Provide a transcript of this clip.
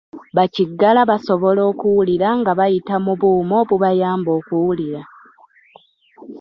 Ba kiggala basobola okuwulira nga bayita mu buuma obubayamba okuwulira.